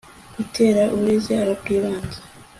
utera uburezi arabwibanza